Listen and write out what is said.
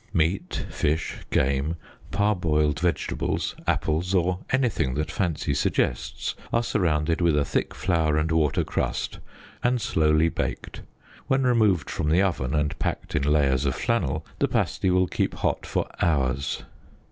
Meat, fish, game, parboiled vegetables, apples or anything that fancy suggests, are surrounded with a thick flour and water crust and slowly baked. When removed from the oven, and packed in layers of flannel, the pasty will keep hot for hours.